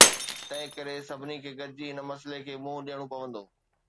تنهنڪري سڀني کي گڏجي هن مسئلي کي منهن ڏيڻو پوندو.